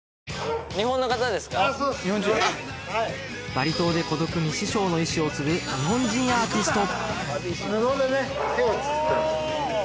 バリ島で孤独に師匠の意志を継ぐ日本人アーティスト